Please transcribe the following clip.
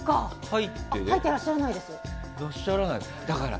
入ってらっしゃらないです。